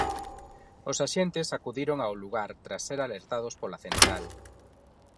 Os axentes acudiron ao lugar tras ser alertados pola central.